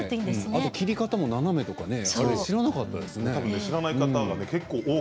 切り方も斜めとか知らなかったです。